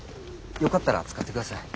よかったら使って下さい。